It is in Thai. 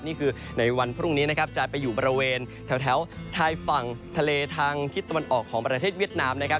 นี่คือในวันพรุ่งนี้นะครับจะไปอยู่บริเวณแถวทายฝั่งทะเลทางทิศตะวันออกของประเทศเวียดนามนะครับ